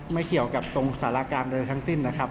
ไม่เขียวกับตรงสารการณ์เลยทั้งสิ้นนะครับ